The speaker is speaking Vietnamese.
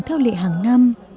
theo lệ hàng năm